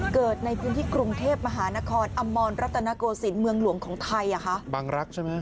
เกิดในพื้นที่กรุงเทพมหานครอมรรัตนโกศิลป์เมืองหลวงของไทยอ่ะคะบางรักใช่ไหม